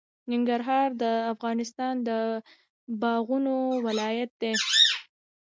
ننګرهار د افغانستان د باغونو ولایت دی.